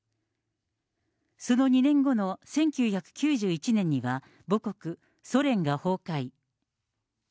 その２年後の１９９１年には、母国、ソ連が崩壊。